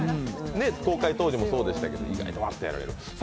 公開当時もそうですけど意外とやられる。